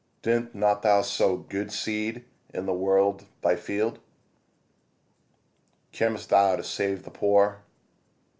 Didst not thou sow good seed in the world, thy field? Cam'st thou to save the poor?